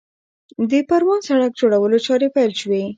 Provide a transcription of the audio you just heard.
د پروان سړک جوړولو چارې پیل شوې